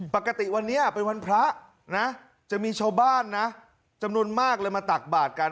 ปกติวันนี้เป็นวันพระนะจะมีชาวบ้านนะจำนวนมากเลยมาตักบาทกัน